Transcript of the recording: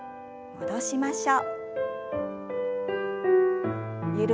戻しましょう。